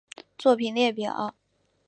作品列表